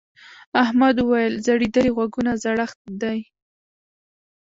احمد وويل: ځړېدلي غوږونه زړښت دی.